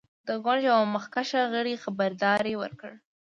د ګوند یوه مخکښ غړي خبرداری ورکړ.